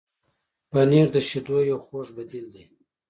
پنېر د شیدو یو خوږ بدیل دی.